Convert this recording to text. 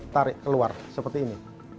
tarik keluar seperti ini